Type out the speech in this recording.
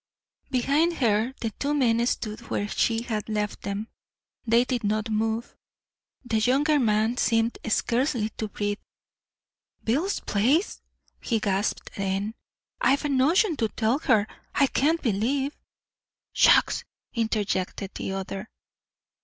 Behind her, the two men stood where she had left them. They did not move. The younger man seemed scarcely to breathe. "Bill's place!" he gasped then. "I've a notion to tell her. I can't believe " "Shucks!" interjected the other.